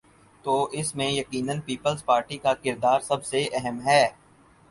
تو اس میں یقینا پیپلزپارٹی کا کردار سب سے اہم ہے۔